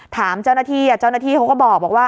ถามเจ้าหน้าที่เจ้าหน้าที่เขาก็บอกว่า